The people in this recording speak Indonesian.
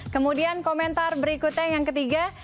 kemudian komentar berikutnya yang ketiga